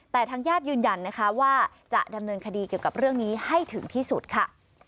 แต่ทางญาติยืนยันนะคะว่าจะดำเนินคดีเกี่ยวกับเรื่องนี้ให้ถึงที่สุดค่ะ